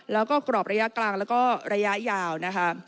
แล้วก็กรอบระยะกลางแล้วก็ระยะยาวนะคะ